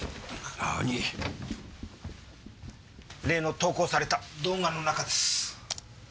例の投稿された動画の中です。